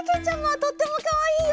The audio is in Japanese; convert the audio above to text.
とってもかわいいよ！